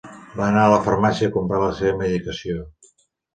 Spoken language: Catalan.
Va anar a la farmàcia a comprar la seva medicació